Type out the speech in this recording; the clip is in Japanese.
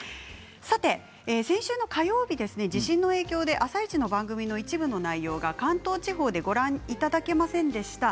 先週の火曜日、地震の影響で「あさイチ」の番組の一部の内容が関東地方でご覧いただけませんでした。